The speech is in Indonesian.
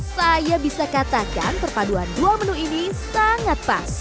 saya bisa katakan perpaduan dua menu ini sangat pas